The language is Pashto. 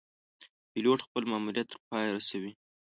پیلوټ خپل ماموریت تر پایه رسوي.